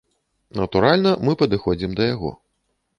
Натуральна, мы падыходзім да яго.